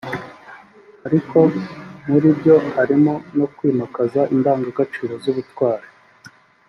ariko muri byo harimo no kwimakaza idangagaciro z’ubutwari”